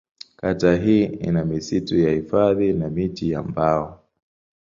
Kata hii ina misitu ya hifadhi na miti ya mbao.